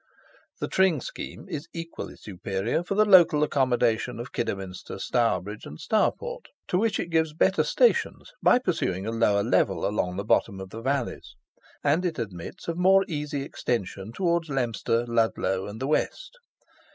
The Tring scheme is equally superior for the local accommodation of Kidderminster, Stourbridge, and Stourport, to which it gives better stations, by pursuing a lower level along the bottom of the valleys, and it admits of more easy extension towards Leominster, Ludlow, and the West.